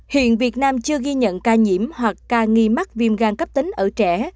hiện việt nam chưa ghi nhận ca nhiễm hoặc ca nghi mắc viêm gan cấp tính ở trẻ